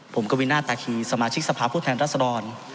ผมกวินาทตาคีสมาชิกสภาพผู้แทนรัศดร